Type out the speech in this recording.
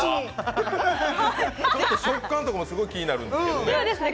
食感とかも気になるんですけどね。